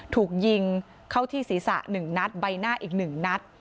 ถูกยิงเข้าที่ศีรษะ๑นัดใบหน้าอีก๑นัด